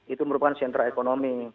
itu merupakan sentra ekonomi